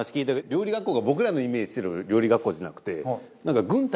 料理学校が僕らのイメージしてる料理学校じゃなくて。